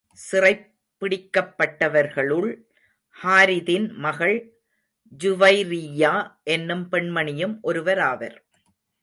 சிறைப் பிடிக்கப்பட்டவர்களுள் ஹாரிதின் மகள் ஜூவைரிய்யா என்னும் பெண்மணியும் ஒருவராவர்.